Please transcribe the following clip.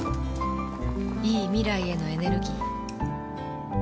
いい未来へのエネルギー